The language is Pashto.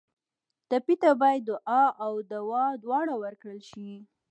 ټپي ته باید دعا او دوا دواړه ورکړل شي.